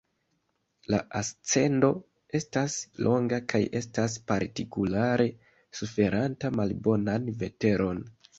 La ascendo estas longa kaj estas partikulare suferanta malbonan veteron.